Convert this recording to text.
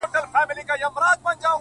يو چا د سترگو په رپا کي رانه ساه وړې ده’